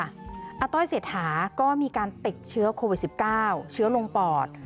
อาต้อยเศรษฐาก็มีการติดเชื้อโควิด๑๙เชื้อลงปอด